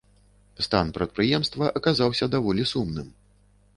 Стан прадпрыемства аказаўся даволі сумным.